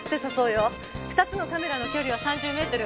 ２つのカメラの距離は３０メートル。